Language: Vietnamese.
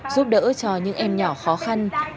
giúp đỡ cho những em nhỏ khó khăn